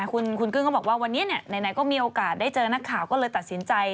คุณกึ้งก็บอกว่าวันนี้ไหนก็มีโอกาสได้เจอนักข่าวก็เลยตัดสินใจ